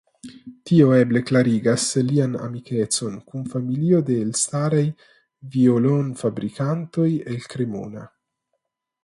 Tio eble klarigas lian amikecon kun familio de elstaraj violonfabrikantoj el Cremona.